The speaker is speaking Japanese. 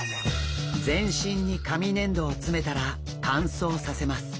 全身に紙粘土を詰めたら乾燥させます。